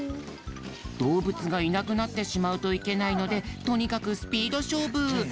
どうぶつがいなくなってしまうといけないのでとにかくスピードしょうぶ。